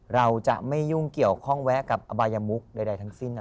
เราจะไม่ยุ่งเกี่ยวข้องแวะกับบายมุกใดทั้งสิ้นอะไรอย่างนี้ครับ